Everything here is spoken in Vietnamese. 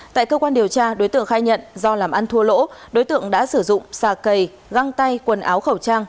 tại cơ quan điều tra đối tượng khai nhận do làm ăn thua lỗ đối tượng đã sử dụng xà cầy găng tay quần áo khẩu trang